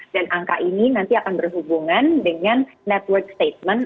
dan angka ini nanti akan berhubungan dengan network statement